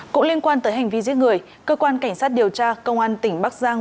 cũng liên quan tới hành vi giết người cơ quan cảnh sát điều tra công an tỉnh bắc giang